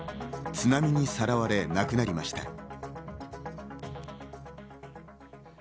津波にさらわれ、亡くなりました。